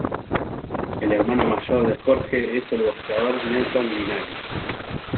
El hermano mayor de Jorge es el boxeador Nelson Linares.